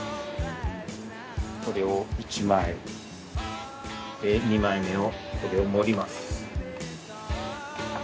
これを１枚２枚目をこれを盛ります。